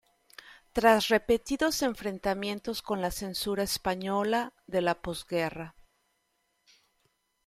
Tras repetidos enfrentamientos con la censura española de la posguerra.